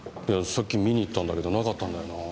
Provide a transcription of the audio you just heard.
さっき見に行ったんだけどなかったんだよな。